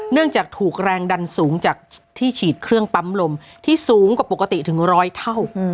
จากถูกแรงดันสูงจากที่ฉีดเครื่องปั๊มลมที่สูงกว่าปกติถึงร้อยเท่า